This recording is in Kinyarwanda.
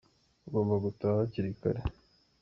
Ugomba gutaha hakiri kare.